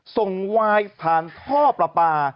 ส่งวายผ่านท่อปลา